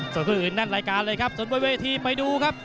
ส่วนคู่อื่นแน่นรายการเลยครับส่วนบนเวทีไปดูครับ